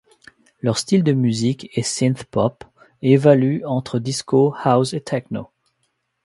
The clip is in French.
Leur style de musique est synthpop, il évolue entre disco, house et techno.